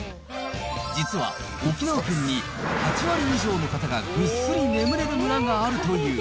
実は沖縄県に８割以上の方がぐっすり眠れる村があるという。